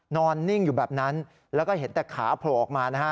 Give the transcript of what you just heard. นิ่งอยู่แบบนั้นแล้วก็เห็นแต่ขาโผล่ออกมานะฮะ